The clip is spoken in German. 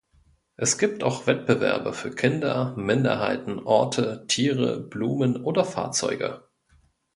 Es gibt auch Wettbewerbe für Kinder, Minderheiten, Orte, Tiere, Blumen oder Fahrzeuge.